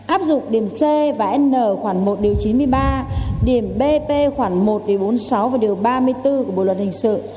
áp dụng điểm c và n khoảng một điều chín mươi ba điểm b khoảng một bốn mươi sáu và điều ba mươi bốn của bộ luật hình sự